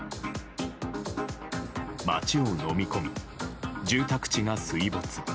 街をのみ込み、住宅地が水没。